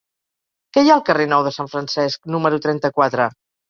Què hi ha al carrer Nou de Sant Francesc número trenta-quatre?